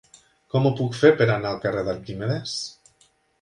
Com ho puc fer per anar al carrer d'Arquímedes?